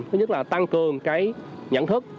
thứ nhất là tăng cường cái nhận thức